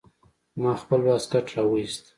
ما خپل واسکټ راوايست.